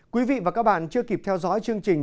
quý vị và các bạn chưa kịp theo dõi chương trình